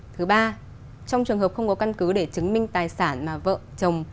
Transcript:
thứ ba trong trường hợp không có căn cứ để chứng minh tài sản mà vợ chồng